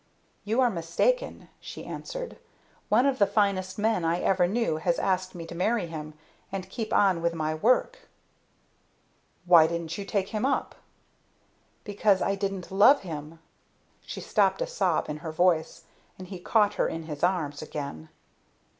"You are mistaken," she answered. "One of the finest men I ever knew has asked me to marry him and keep on with my work!" "Why didn't you take him up?" "Because I didn't love him." She stopped, a sob in her voice, and he caught her in his arms again.